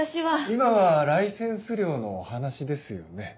今はライセンス料のお話ですよね？